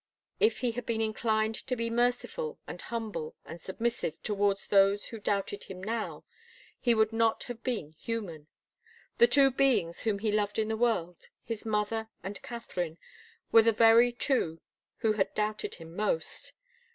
If he had been inclined to be merciful and humble and submissive towards those who doubted him now, he would not have been human. The two beings whom he loved in the world, his mother and Katharine, were the very two who had doubted him most.